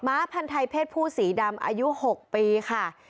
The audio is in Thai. ้าพันธัยเพศผู้สีดำอายุ๖ปีค่ะ